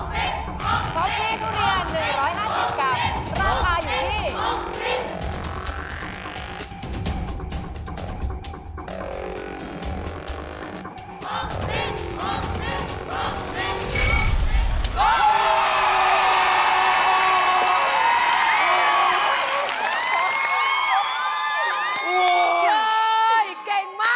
เก่งมาก